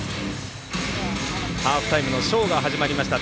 ハーフタイムのショーが始まりました。